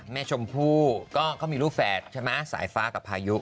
ชมพู่ก็เขามีลูกแฝดใช่ไหมสายฟ้ากับพายุ